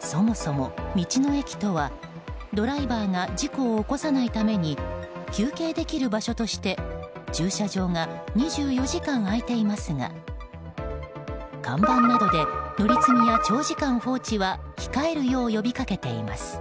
そもそも道の駅とはドライバーが事故を起こさないために休憩できる場所として駐車場が２４時間開いていますが看板などで乗り継ぎや長時間放置は控えるよう呼びかけています。